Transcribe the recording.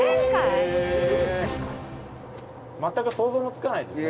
全く想像もつかないですね。